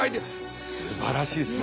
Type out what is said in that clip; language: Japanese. すばらしいっすね。